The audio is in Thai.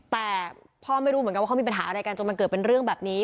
แต่พ่อไม่รู้เหมือนกันว่าเขามีปัญหาอะไรกันจนมันเกิดเป็นเรื่องแบบนี้